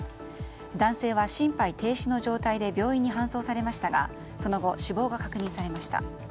男性は心肺停止の状態で病院に搬送されましたがその後死亡が確認されました。